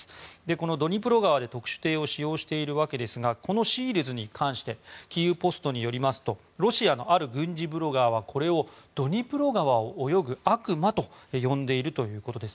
このドニプロ川で特殊艇を使用しているわけですがこのＳＥＡＬｓに関してキーウ・ポストによりますとロシアのある軍事ブロガーはこれをドニプロ川を泳ぐ悪魔と呼んでいるということです。